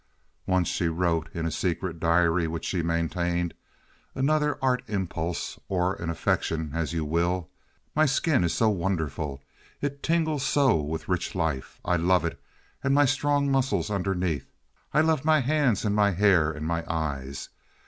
Once she wrote in a secret diary which she maintained—another art impulse or an affectation, as you will: "My skin is so wonderful. It tingles so with rich life. I love it and my strong muscles underneath. I love my hands and my hair and my eyes.